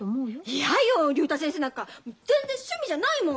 嫌よ竜太先生なんか全然趣味じゃないもん。